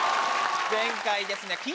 前回ですね